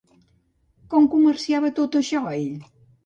Com comerciava tot això ell?